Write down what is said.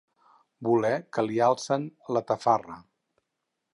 Voler que li alcen la tafarra.